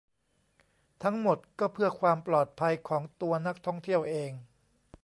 ทั้งหมดก็เพื่อความปลอดภัยของตัวนักท่องเที่ยวเอง